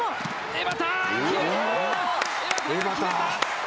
江畑が決めた！